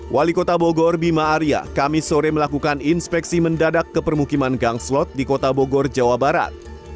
wali kota bogor bima aria kamis sore melakukan inspeksi mendadak ke permukiman gangslot di kota bogor jawa barat